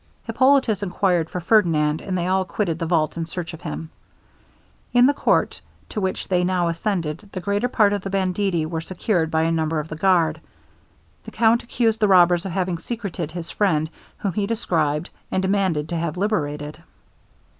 Hippolitus inquired for Ferdinand, and they all quitted the vault in search of him. In the court, to which they now ascended, the greater part of the banditti were secured by a number of the guard. The count accused the robbers of having secreted his friend, whom he described, and demanded to have liberated.